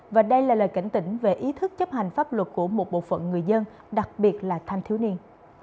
và đây là lời cảnh tỉnh về ý thức chấp hành pháp luật của một bộ phận người dân đặc biệt là thanh thiếu niên